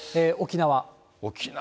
沖縄。